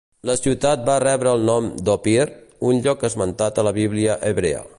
La ciutat va rebre el nom d'Ophir, un lloc esmentat a la Bíblia hebrea.